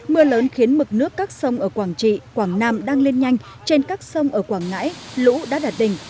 mưa lớn khiến mực nước các sông ở quảng trị quảng nam đang lên nhanh trên các sông ở quảng ngãi lũ đã đạt đỉnh